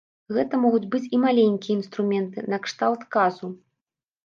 Гэта могуць быць і маленькія інструменты накшталт казу.